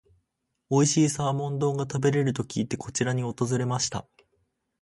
おいしいサーモン丼が食べれると聞いて、こちらに訪れました。